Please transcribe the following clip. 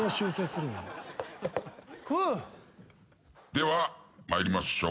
では参りましょう。